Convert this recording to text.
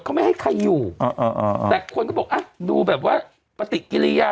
เขาไม่ให้ใครอยู่แต่คนก็บอกอ่ะดูแบบว่าปฏิกิริยา